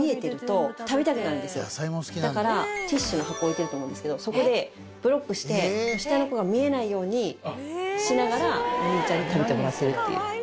だからティッシュの箱置いてると思うんですけどそこでブロックして下の子が見えないようにしながらお兄ちゃんに食べてもらってるっていう。